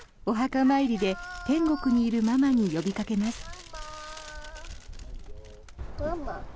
お墓参りで天国にいるママに呼びかけます。